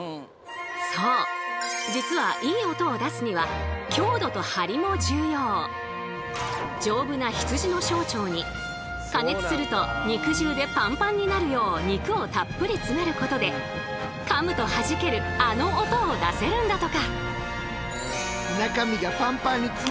そう実は丈夫な羊の小腸に加熱すると肉汁でパンパンになるよう肉をたっぷり詰めることでかむとはじけるあの音を出せるんだとか。